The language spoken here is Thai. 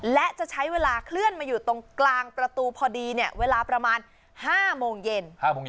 และจะใช้เวลาเคลื่อนมาอยู่ตรงกลางประตูพอดีเวลาประมาณ๕โมงเย็น